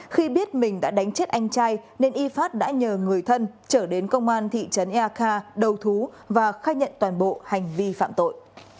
khi biết mình đã đánh chết anh trai nên y phát đã nhờ người thân trở đến công an thị trấn eakha đầu thú và khai nhận toàn bộ hành vi phạm tội